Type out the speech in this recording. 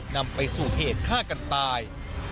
นำไปสู่เหตุฆ่ากันตาย